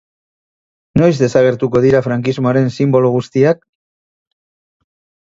Noiz desagertuko dira frankismoaren sinbolo guztiak?